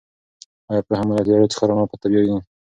آیا پوهه مو له تیارو څخه رڼا ته بیايي؟